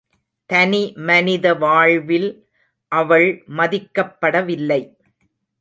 தனி மனித வாழ்வில் அவள் மதிக்கப்படவில்லை.